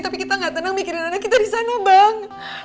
tapi kita gak tenang mikirin anak kita di sana bang